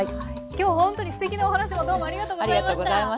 今日は本当にすてきなお話もどうもありがとうございました。